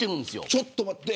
ちょっと待って。